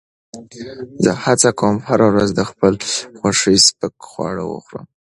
زه هڅه کوم هره ورځ د خپل خوښې سپک خواړه وخورم.